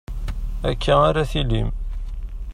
Akka ara tillim.